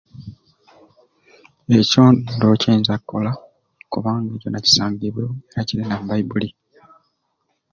Ekyo ndowo kyenyiza kolawo kuba nakisangire nga kiri na mu baibuli